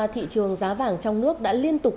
thị trường giá vàng trong nước đã liên tục